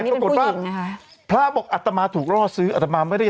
ขึ้นไหมนี่เป็นผู้หญิงนะคะพระบอกอัตตมาถูกรอซื้ออัตตมาไม่ได้ทำอะไร